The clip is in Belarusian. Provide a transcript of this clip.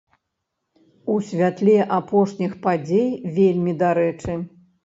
У святле апошніх падзей вельмі дарэчы!